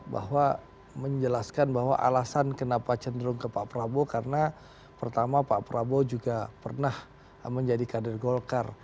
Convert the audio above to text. bahwa menjelaskan bahwa alasan kenapa cenderung ke pak prabowo karena pertama pak prabowo juga pernah menjadi kader golkar